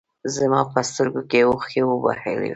زما په سترګو کې اوښکې وبهولې.